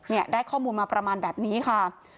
เนี่ยได้ข้อมูลมาประมาณแบบนี้ค่ะ